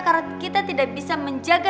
karena kita tidak bisa menjaga